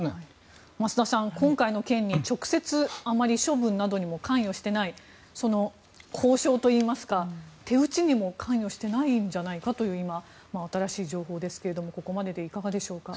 増田さん、今回の件に直接あまり処分などにも関与してない交渉といいますか、手打ちにも関与していないんじゃないかという今、新しい情報ですけどもここまででいかがでしょうか。